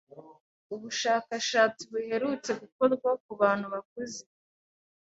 Ubushakashati buherutse gukorwa ku bantu bakuze